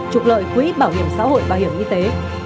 trục lợi quỹ bảo hiểm xã hội bảo hiểm y tế